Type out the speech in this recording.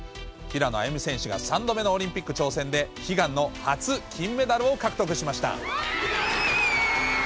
平野歩夢選手が３度目のオリンピック挑戦で、悲願の初金メダルを獲得しました。